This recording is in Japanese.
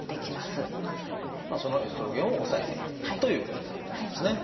そのエストロゲンを抑えていくということになるってことですね。